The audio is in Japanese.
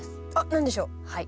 何でしょう？